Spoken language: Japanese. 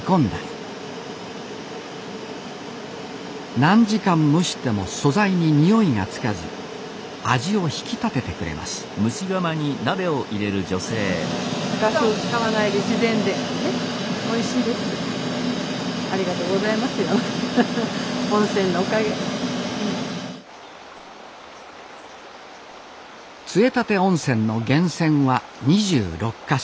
何時間蒸しても素材ににおいが付かず味を引き立ててくれます杖立温泉の源泉は２６か所。